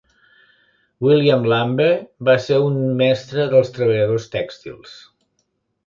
William Lambe va ser un mestre dels treballadors tèxtils.